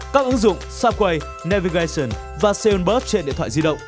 các ứng dụng subway navigation và soundbush trên điện thoại di động